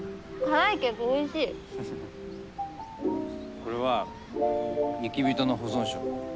これは雪人の保存食。